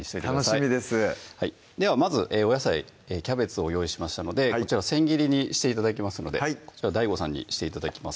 楽しみですではまずお野菜キャベツを用意しましたのでこちら千切りにして頂きますのでこちらＤＡＩＧＯさんにして頂きます